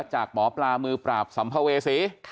จากหมอปลามือปราบสัมภเวษี